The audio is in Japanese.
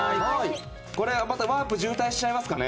またワープ渋滞しちゃいますかね。